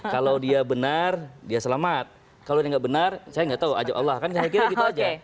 kalau dia benar dia selamat kalau dia nggak benar saya nggak tahu ajak allah kan saya kira gitu aja